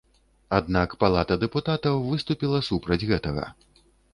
Аднак палата дэпутатаў выступіла супраць гэтага.